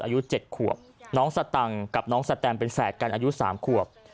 อายุ๗ขวบน้องสตังค์กับน้องสแตมเป็นแฝดกันอายุ๓ขวบ